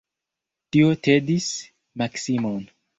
Tio tedis Maksimon.